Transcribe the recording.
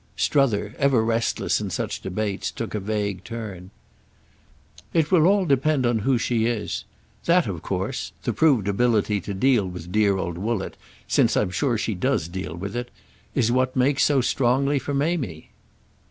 Strether, ever restless in such debates, took a vague turn "It will all depend on who she is. That of course—the proved ability to deal with dear old Woollett, since I'm sure she does deal with it—is what makes so strongly for Mamie."